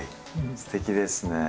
すてきですね。